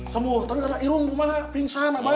semua tapi ada irung di rumah pingsan abah